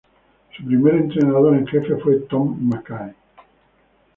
Su primer entrenador en jefe fue Tom MacKay.